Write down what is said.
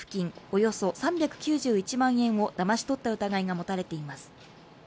およそ３９１万円をだまし取った疑いが持たれています。